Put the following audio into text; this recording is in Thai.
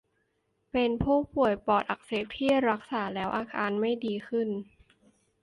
เป็นผู้ป่วยปอดอักเสบที่รักษาแล้วอาการไม่ดีขึ้น